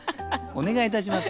お願いいたします。